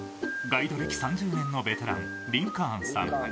ガイド歴３０年のベテラン、リンカーンさん。